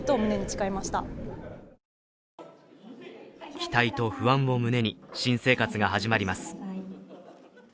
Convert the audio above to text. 期待と不安を胸に新生活が始まります。